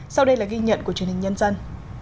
sau đây là ghi nhận của truyền hình nhân dân